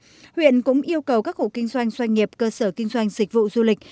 ubnd huyện cũng yêu cầu các hộ kinh doanh doanh nghiệp cơ sở kinh doanh dịch vụ du lịch